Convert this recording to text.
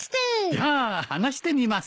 じゃあ話してみます。